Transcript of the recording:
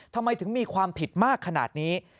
ทำไมถึงมีความผิดมากขนาดนี้